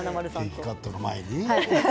ケーキカットの前に？